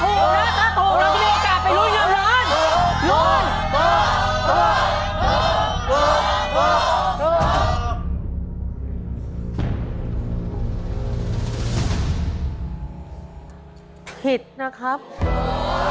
ถูกนะถูกเราจะมีโอกาสไปรุ่นยำร้าน